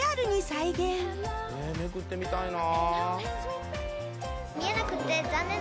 「えめくってみたいな」